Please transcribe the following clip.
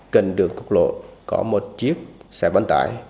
cần đường cục lộ có một chiếc xe bán tải